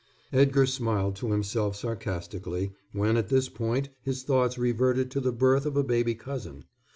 Edgar smiled to himself sarcastically when at this point his thoughts reverted to the birth of a baby cousin.